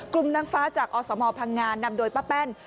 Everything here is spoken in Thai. กลุ่มนักฟ้าจากอสหมอพังงานนำโดยป้าแป้น